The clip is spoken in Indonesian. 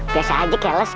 biasa aja keles